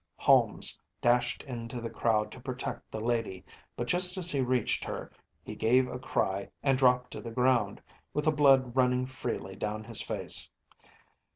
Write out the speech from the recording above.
Holmes dashed into the crowd to protect the lady; but, just as he reached her, he gave a cry and dropped to the ground, with the blood running freely down his face.